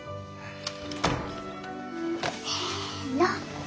せの。